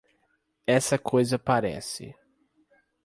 Essa coisa parece